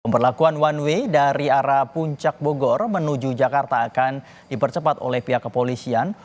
pemberlakuan one way dari arah puncak bogor menuju jakarta akan dipercepat oleh pihak kepolisian